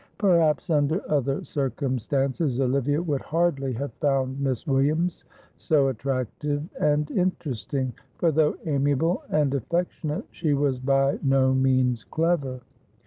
Perhaps under other circumstances Olivia would hardly have found Miss Williams so attractive and interesting, for, though amiable and affectionate, she was by no means clever.